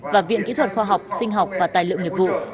và viện kỹ thuật khoa học sinh học và tài lượng nhiệp vụ